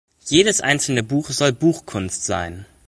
Jedes einzelne Buch soll „Buchkunst“ sein.